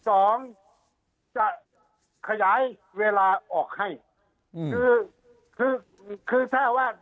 สองจะขยายเวลาออกให้อืมคือคือคือถ้าว่า